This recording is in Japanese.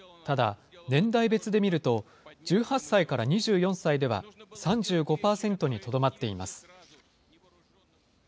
ただ、年代別で見ると、１８歳から２４歳では３５％にとどまっています。